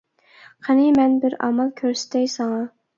-قېنى مەن بىر ئامال كۆرسىتەي ساڭا.